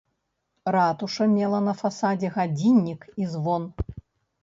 Ратуша мела на фасадзе гадзіннік і звон.